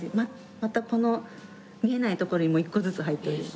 またこの見えないとこにも１個ずつ入っております。